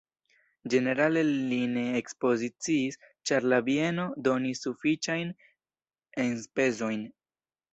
Ĝenerale li ne ekspoziciis, ĉar la bieno donis sufiĉajn enspezojn.